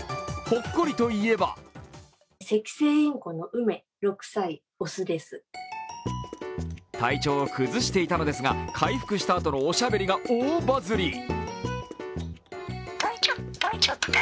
ほっこりといえば体調を崩していたのですが回復したあとのおしゃべりが大バズり。